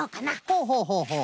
ほうほうほうほう。